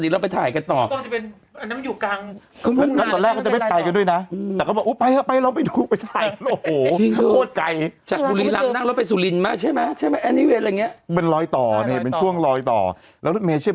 เอาอย่างงี้ตักกันใหญ่เลย